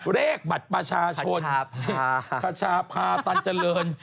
เลขบัตรประชาชนประชาภาประชาภาตันเจริญ